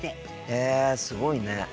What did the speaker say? へえすごいね。